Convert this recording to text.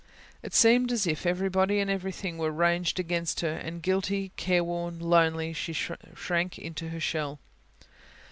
It seemed as if everybody and everything were ranged against her; and guilty, careworn, lonely, she shrank into her shell.